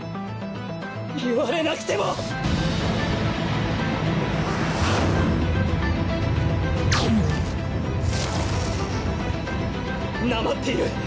言われなくても！なまっている。